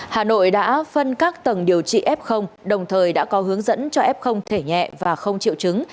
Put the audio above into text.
hà nội đã phân các tầng điều trị f đồng thời đã có hướng dẫn cho f thể nhẹ và không triệu chứng